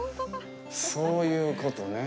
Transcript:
そういうことね。